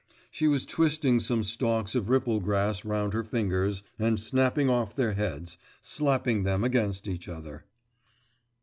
She was twisting some stalks of ripple grass round her fingers and snapping off their heads, slapping them against each other.